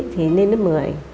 thì lên lớp một mươi